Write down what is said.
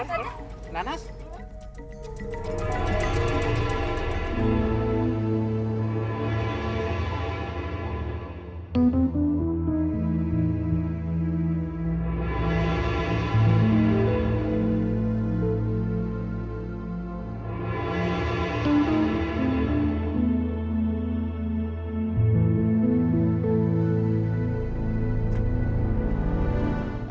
ini strategi dengan hati yang cuma mas europa